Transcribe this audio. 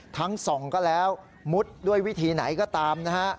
ส่องก็แล้วมุดด้วยวิธีไหนก็ตามนะฮะ